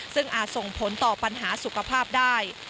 ซึ่งอาจส่งผลต่อปัญหาสุขภาพได้